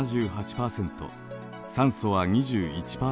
酸素は２１％。